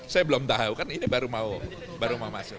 saya belum tahu kan ini baru mau masuk